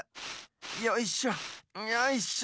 よいしょよいしょ。